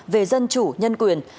về dân chủ nhân quyền